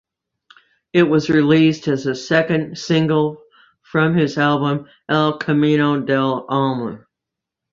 It was released as the second single from his album "El Camino del Alma".